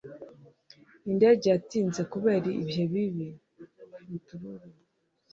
Indege yatinze kubera ibihe bibi. (futurulus)